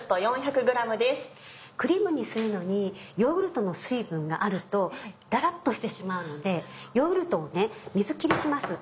クリームにするのにヨーグルトの水分があるとだらっとしてしまうのでヨーグルトを水切りします。